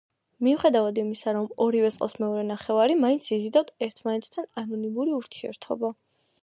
მიუხედავად იმისა, რომ ორივეს ჰყავს მეორე ნახევარი, მაინც იზიდავთ ერთმანეთთან ანონიმური ურთიერთობა.